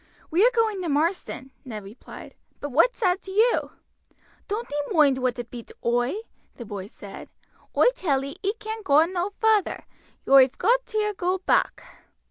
"We are going to Marsden," Ned replied; "but what's that to you?" "Doan't ee moind wot it be to oi," the boy said; "oi tell ee ee can't goa no further; yoi've got ter go back."